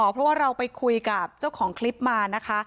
เพราะว่าเราไปคุยกับเจ้าของคลิปมานะคะ